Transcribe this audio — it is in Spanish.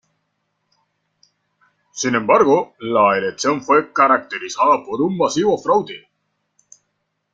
Sin embargo, la elección fue caracterizada por un masivo fraude.